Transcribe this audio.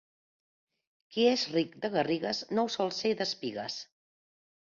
Qui és ric de garrigues, no ho sol ser d'espigues.